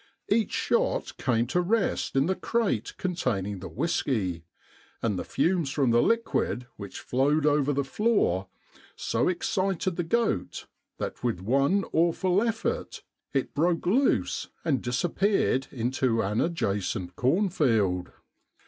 Each shot came to rest in the crate containing the whisky, and the fumes from the liquid which flowed over the floor so excited the goat that with one awful effort it broke loose and disappeared into an adjacent cornfield.